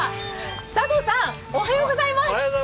佐藤さん、おはようございます。